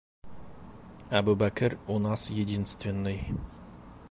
Әбүбәкер у нас единственный.